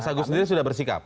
mas agus sendiri sudah bersikap